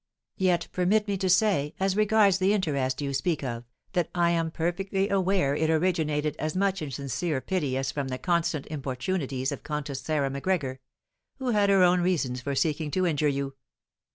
Yet permit me to say, as regards the interest you speak of, that I am perfectly aware it originated as much in sincere pity as from the constant importunities of Countess Sarah Macgregor, who had her own reasons for seeking to injure you.